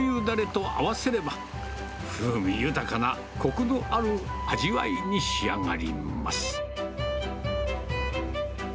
だれと合わせれば、風味豊かなこくのある味わいに仕上がります。